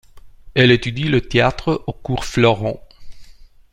Elle étudie le théâtre au cours Florent.